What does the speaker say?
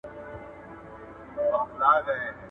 مځکه ډکه له رمو سوه د پسونو ,